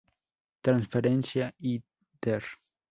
Transferencia Inter.